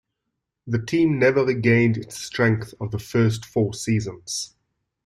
The team never regained its strength of the first four seasons.